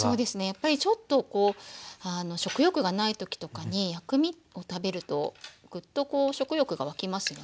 やっぱりちょっとこう食欲がない時とかに薬味を食べるとぐっとこう食欲が湧きますよね。